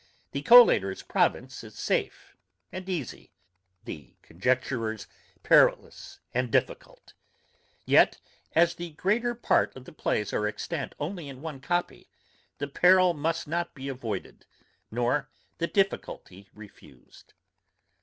The collator's province is safe and easy, the conjecturer's perilous and difficult. Yet as the greater part of the plays are extant only in one copy, the peril must not be avoided, nor the difficulty refused.